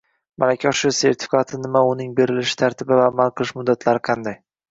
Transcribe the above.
Malaka oshirish sertifikati nima va uning berilish tartibi va amal qilish muddatlari qanday?